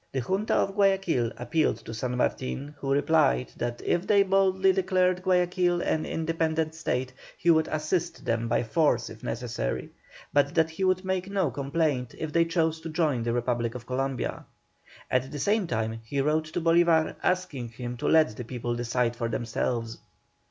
The Junta of Guayaquil appealed to San Martin, who replied that if they boldly declared Guayaquil an independent State he would assist them by force if necessary, but that he would make no complaint if they chose to join the Republic of Columbia. At the same time he wrote to Bolívar, asking him to let the people decide for themselves.